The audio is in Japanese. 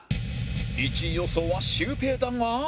１位予想はシュウペイだが